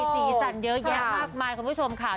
สีสันเยอะแยะมากมายคุณผู้ชมค่ะ